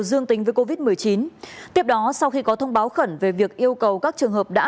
dương tính với covid một mươi chín tiếp đó sau khi có thông báo khẩn về việc yêu cầu các trường hợp đã